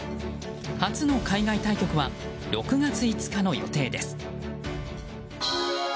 初の海外対局は６月５日の予定です。